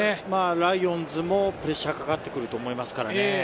ライオンズもプレッシャーが、かかってくると思いますからね。